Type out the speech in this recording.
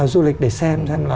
du lịch để xem